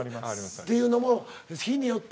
っていうのも日によって。